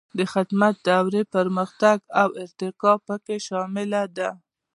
د خدمت دورې پرمختګ او ارتقا پکې شامله ده.